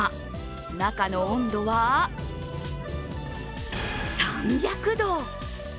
中の温度は３００度。